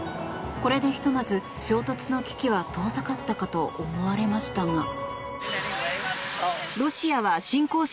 これでひとまず衝突の危機は遠ざかったかと思われましたが。